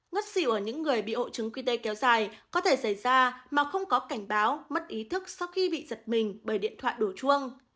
ngất xỉu ở những người bị hộ trứng quy tê kéo dài có thể xảy ra mà không có cảnh báo mất ý thức sau khi bị giật mình bởi điện thoại đổ chuông